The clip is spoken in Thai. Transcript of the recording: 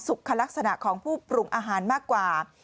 ลักษณะของผู้ปรุงอาหารมากกว่า